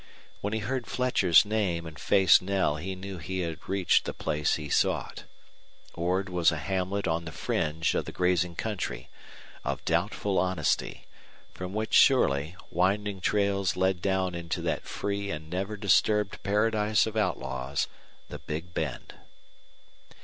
When he heard Fletcher's name and faced Knell he knew he had reached the place he sought. Ord was a hamlet on the fringe of the grazing country, of doubtful honesty, from which, surely, winding trails led down into that free and never disturbed paradise of outlaws the Big Bend.